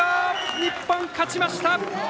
日本、勝ちました！